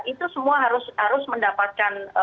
itu semua harus mendapatkan